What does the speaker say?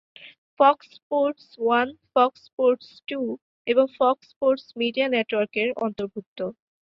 Fox Sports One, Fox Sports Two এবং Fox Sports Media Network এর অন্তর্ভুক্ত।